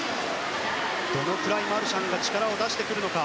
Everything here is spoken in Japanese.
どのくらいマルシャンが力を出してくるのか。